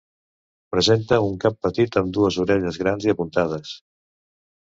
Presenta un cap petit amb dues orelles grans i apuntades.